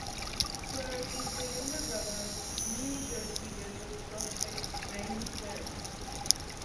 Clarke is the younger brother of New Jersey Devils prospect Graeme Clarke.